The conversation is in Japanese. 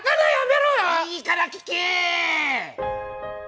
いいから聞けー！